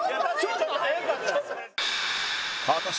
ちょっと速かったよ。